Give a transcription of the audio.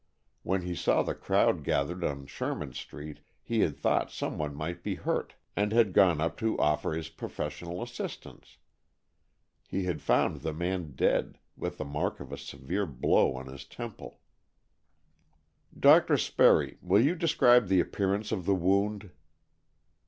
When he saw the crowd gathered on Sherman Street he had thought some one might be hurt, and had gone up to offer his professional assistance. He had found the man dead, with the mark of a severe blow on his temple. "Dr. Sperry, will you describe the appearance of the wound?"